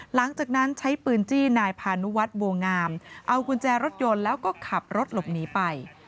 หลังจากนั้นใช้ปืนจี้นายพานุวัฒน์บัวงามเอากุญแจรถยนต์แล้วก็ขับรถหลบหนีไป